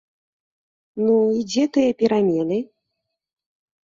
Ну, і дзе тыя перамены?